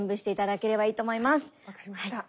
分かりました。